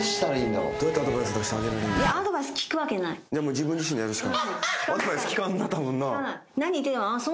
自分自身でやるしかない。